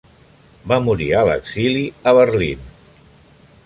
Va morir a l'exili a Berlín.